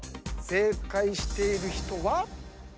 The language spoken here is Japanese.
正解している人は。